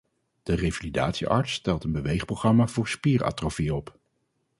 De revalidatiearts stelt een beweegprogramma voor spieratrofie op.